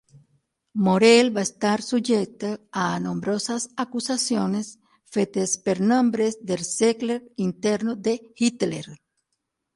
Morell va estar subjecte a nombroses acusacions fetes per membres del cercle intern de Hitler.